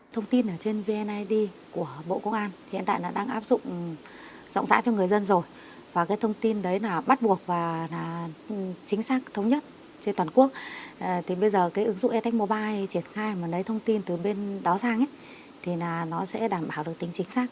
từ bến đó sang nó sẽ đảm bảo tính chính xác